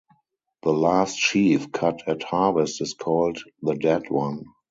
"The last sheaf cut at harvest is called "the Dead One"."